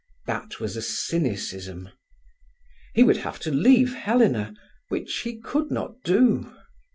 That was a cynicism. He would have to leave Helena, which he could not do.